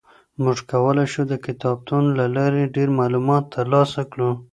موږ کولای شو د کتابتون له لاري ډېر معلومات ترلاسه کړو.